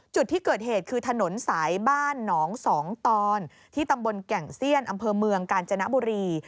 จุดที่เกิดเหตุคือถนนสายบ้านหนองสองตอนที่ตำบลแก่งเซียนอำเภอเมืองกาญจนบุรี